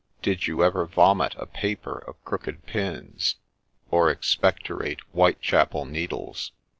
— Did you ever vomit a paper of crooked pins ? or expectorate Whitechapel needles